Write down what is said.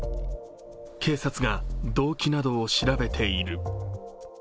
警察が動機などを調べている。